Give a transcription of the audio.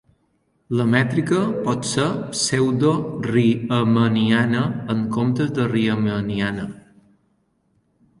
La mètrica pot ser pseudoriemanniana, en comptes de riemanniana.